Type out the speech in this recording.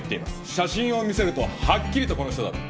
写真を見せるとはっきりと「この人だ」と。